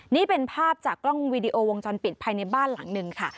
นี่เป็นภาพจากกล้องวีดีโอวงจรปิดภายในบ้านหลังหนึ่งค่ะ